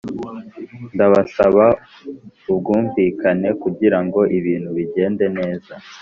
ndabasaba ubwumvikane kugirango ibintu bigende neza